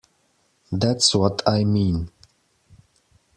That's what I mean.